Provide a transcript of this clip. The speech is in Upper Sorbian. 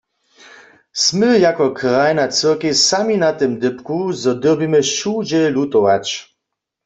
Smy jako krajna cyrkej sami na tym dypku, zo dyrbimy wšudźe lutować.